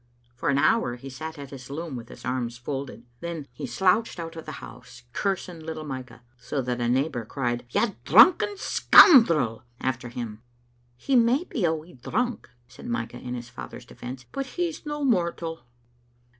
For an hour he sat at his loom with his arms folded. Then he slouched out of the house, cursing little Micah, so that a neighbour cried " You drucken scoundrel !" after him. " He may be a wee drunk," said Micah in his father's defence, "but he's no mortal."